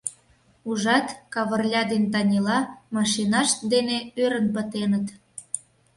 Ужат, Кавырля ден Танила машинашт дене ӧрын пытеныт.